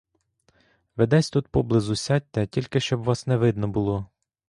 Ви десь тут поблизу сядьте, тільки щоб вас не видно було.